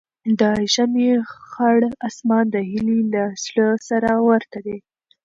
د ژمي خړ اسمان د هیلې له زړه سره ورته و.